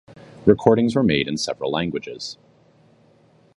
Recordings were made in several languages.